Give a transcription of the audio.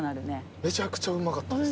めちゃくちゃうまかったです。